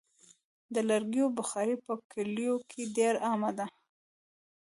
د لرګیو بخاري په کلیو کې ډېره عامه ده.